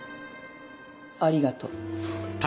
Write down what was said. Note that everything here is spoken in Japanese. ありがとう。